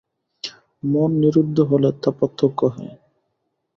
মন নিরুদ্ধ হলে তা প্রত্যক্ষ হয়।